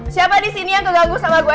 siapa disini yang keganggu sama gue